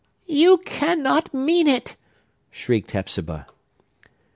"You cannot mean it!" shrieked Hepzibah.